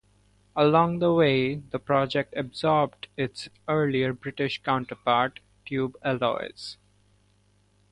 Along the way, the project absorbed its earlier British counterpart, Tube Alloys.